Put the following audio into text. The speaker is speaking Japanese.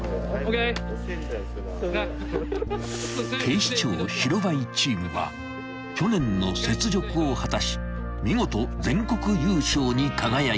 ［警視庁白バイチームは去年の雪辱を果たし見事全国優勝に輝いた］